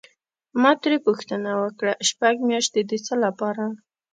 ما ترې پوښتنه وکړه: شپږ میاشتې د څه لپاره؟